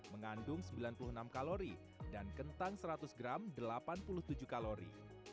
mengandung sembilan puluh enam kalori dan kentang seratus gram delapan puluh tujuh kalori